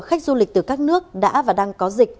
khách du lịch từ các nước đã và đang có dịch